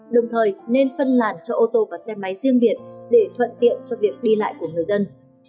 đồng thời nên phân làn cho ô tô và xe máy riêng biệt để thuận tiện cho việc đi lại của người dân